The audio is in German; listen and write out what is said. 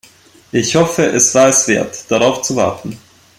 Ich hoffe, es war es wert, darauf zu warten.